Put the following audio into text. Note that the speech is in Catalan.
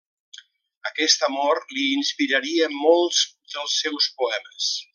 Aquest amor li inspiraria molts dels seus poemes.